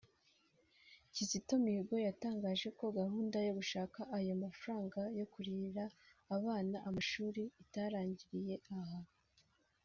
Kizito Mihigo yatangaje ko gahunda yo gushaka ayo mafaranga yo kurihira abana amashuri itarangiriye aha